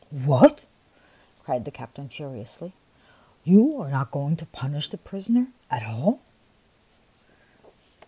" What !" cried the captain, furiously. " You are not going to punish the prisoner at all